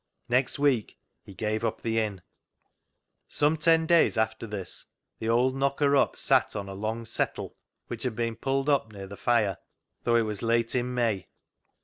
Next week he gave up the inn. Some ten days after this the old knocker up sat on a " long settle " which had been pulled up near the fire, though it was late in May.